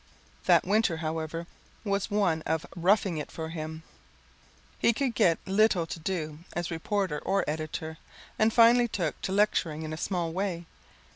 That Winter, however, was one of "roughing it" for him. He could get little to do as reporter or editor, and finally took to lecturing in a small way.